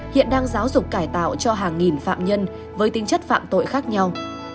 hiện đang giáo dục cải tạo cho hàng nghìn phạm nhân với tinh chất phạm tội khác nhau